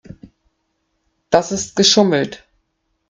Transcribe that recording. Das ist geschummelt.